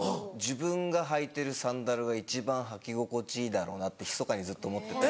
自分が履いてるサンダルが一番履き心地いいだろうなってひそかにずっと思ってて。